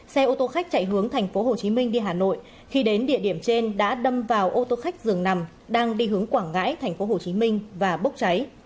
xe ô tô khách chạy hướng thành phố hồ chí minh đi hà nội khi đến địa điểm trên đã đâm vào ô tô khách dường nằm đang đi hướng quảng ngãi thành phố hồ chí minh và bốc cháy